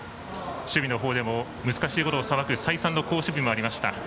守備のほうでも難しいことをさばく再三の好守備もありました。